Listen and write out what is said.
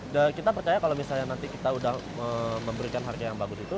kita percaya kalau misalnya nanti kita udah memberikan harga yang bagus itu